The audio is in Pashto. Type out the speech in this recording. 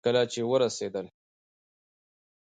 کله چې ورسېدل